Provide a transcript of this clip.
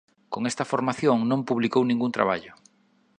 Con esta formación non publicou ningún traballo.